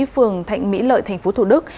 phường thạnh mỹ lợi thành phố thủ đức